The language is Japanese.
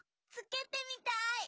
つけてみたい！